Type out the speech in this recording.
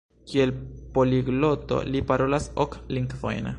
Kiel poligloto li parolas ok lingvojn.